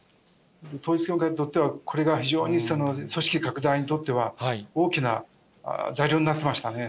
統一教会にとっては、これが非常に組織拡大にとっては、大きな材料になってましたね。